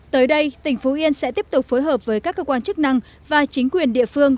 tới đây tỉnh phú yên sẽ tiếp tục phối hợp với các cơ quan chức năng và chính quyền địa phương